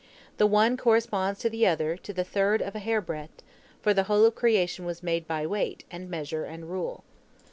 The one corresponds to the other down to the third of a hair breadth, for the whole of creation was made by weight, and measure, and rule.